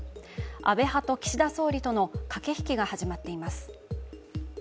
安倍派と岸田総理との駆け引きが始まっています。